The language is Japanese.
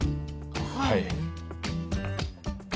はい。